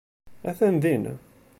Attan din.